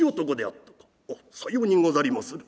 「はっさようにござりまする」。